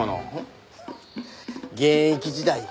現役時代